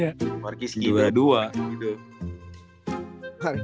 eh hasan udah retret bro